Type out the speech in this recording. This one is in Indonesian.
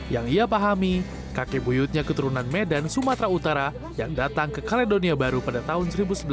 yang ia pahami kakek buyutnya keturunan medan sumatera utara yang datang ke kaledonia baru pada tahun seribu sembilan ratus delapan puluh